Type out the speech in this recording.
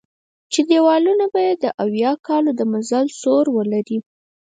چې دېوالونه به یې اویا کالو د مزل سور ولري.